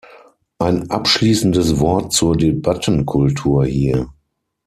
Ein abschließendes Wort zur Debattenkultur hier.